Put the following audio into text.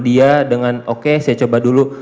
dia dengan oke saya coba dulu